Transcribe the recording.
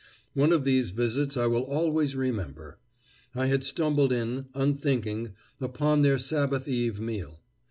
One of these visits I will always remember. I had stumbled in, unthinking, upon their Sabbath eve meal.